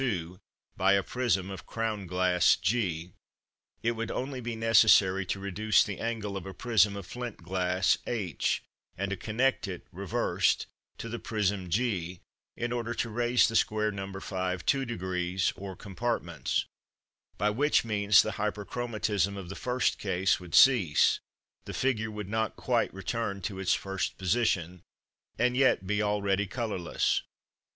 2, by a prism of crown glass g, it would only be necessary to reduce the angle of a prism of flint glass h, and to connect it, reversed, to the prism g, in order to raise the square No. 5 two degrees or compartments; by which means the Hyperchromatism of the first case would cease, the figure would not quite return to its first position, and yet be already colourless.